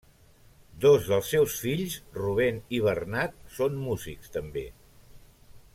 Dos dels seus fills, Rubén i Bernat són músics també.